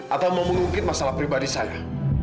atau mau mengungkit masalah pribadi saya